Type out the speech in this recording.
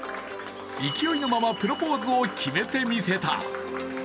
勢いのままプロポーズを決めてみせた。